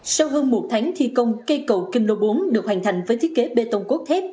sau hơn một tháng thi công cây cầu kinh lô bốn được hoàn thành với thiết kế bê tông cốt thép